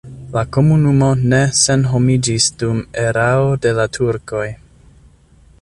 La komunumo ne senhomiĝis dum erao de la turkoj.